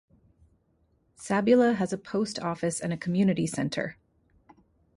Sabula has a post office and a community center.